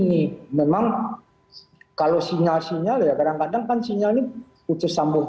ini memang kalau sinyal sinyal ya kadang kadang kan sinyal ini putus sambung